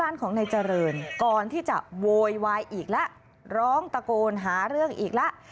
ร้องตะโกนหาเรื่องอีกแล้ว